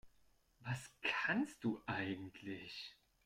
Was kannst du eigentlich?